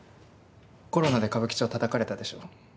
コロナで歌舞伎町たたかれたでしょ？